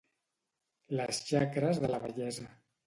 Les xacres de la vellesa.